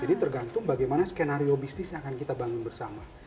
jadi tergantung bagaimana skenario bisnis yang akan kita bangun bersama